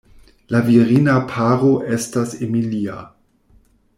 La virina paro estas Emilia.